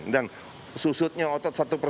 dan susutnya otot